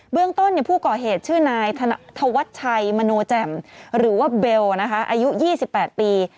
เรื่องต้นผู้ก่อเหตุชื่อนายธวัชชัยมโนแจ่มหรือว่าเบลอายุ๒๘ปี